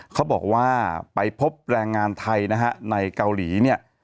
เขาบอกว่าไปพบแรงงานไทยนะฮะในเกาหลีเนี่ย